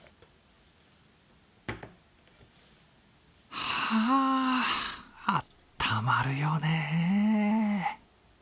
は、あったまるよね。